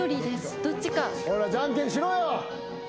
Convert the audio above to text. ほらじゃんけんしろよ！